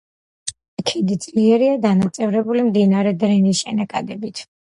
ქედი ძლიერაა დანაწევრებული მდინარე დრინის შენაკადებით.